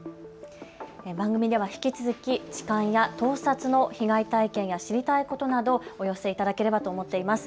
番組では引き続き痴漢や盗撮の被害体験や知りたいことなどお寄せいただければと思っています。